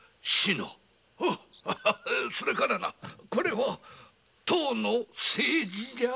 それからなこれは唐の「青磁」じゃ。